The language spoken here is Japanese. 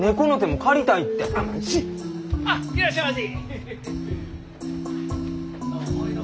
あっいらっしゃいませ！